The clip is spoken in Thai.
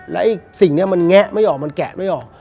แล้วไอ้สิ่งนี้มันแงะไม่ออกมันแกะไม่ออก